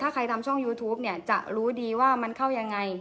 ถ้าใครทำช่องยูทูปเนี่ยจะรู้ดีว่ามันเข้ายังไง